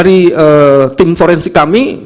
dari tim forensik kami